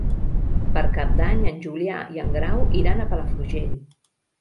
Per Cap d'Any en Julià i en Grau iran a Palafrugell.